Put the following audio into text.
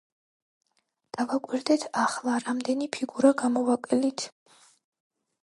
დავაკვირდეთ ახლა, რამდენი ფიგურა გამოვაკელით.